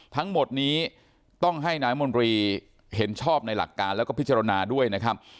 ทั้งหมดนี้ต้องให้นายมนตรีเห็นชอบในหลักการแล้วก็พิจารณาด้วยนะครับ